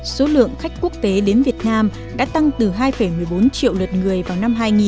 số lượng khách quốc tế đến việt nam đã tăng từ hai một mươi bốn triệu lượt người vào năm hai nghìn